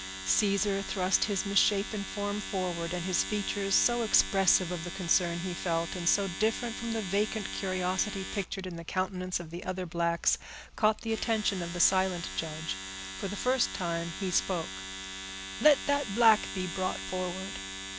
Caesar thrust his misshapen form forward and his features, so expressive of the concern he felt, and so different from the vacant curiosity pictured in the countenance of the other blacks, caught the attention of the silent judge. For the first time he spoke:— "Let that black be brought forward."